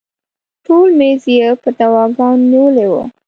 ټول میز یې په دواګانو نیولی و.